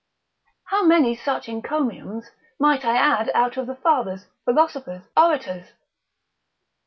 How many such encomiums might I add out of the fathers, philosophers, orators?